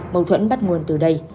mâu thuẫn bắt nguồn từ đây